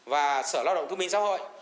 và sở lao động thông minh xã hội